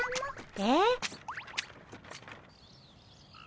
えっ？